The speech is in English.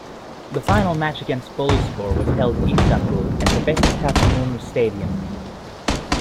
The final match against Boluspor was held in Istanbul at the Besiktas Inonu Stadium.